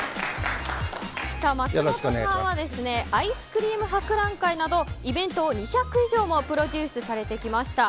松本さんはアイスクリーム博覧会などイベントを２００以上もプロデュースされてきました。